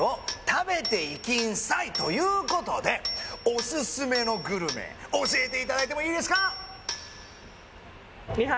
「食べていきんさい！」ということでオススメのグルメ教えていただいてもいいですか？